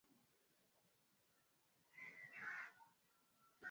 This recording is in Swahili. kumsahau mungu yeyote ikatoa sadaka za tahadhari Kaisari naye